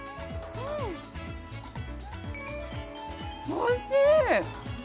おいしい！